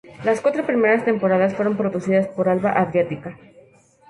Las cuatro primeras temporadas fueron producidas por Alba Adriática.